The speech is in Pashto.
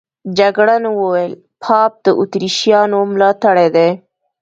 جګړن وویل پاپ د اتریشیانو ملاتړی دی.